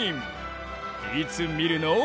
いつ見るの？